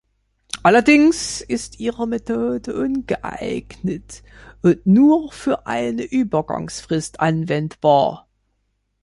Allerdings ist ihre Methode ungeeignet und nur für eine Übergangsfrist anwendbar.